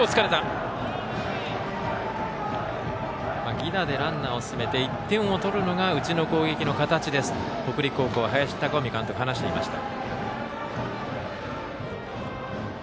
犠打でランナーを進めて１点を取るのがうちのチームの形ですと北陸高校の林孝臣監督は話していました。